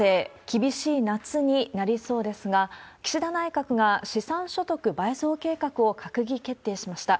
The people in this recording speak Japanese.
厳しい夏になりそうですが、岸田内閣が資産所得倍増計画を閣議決定しました。